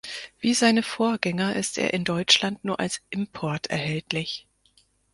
Wie seine Vorgänger ist er in Deutschland nur als Import erhältlich.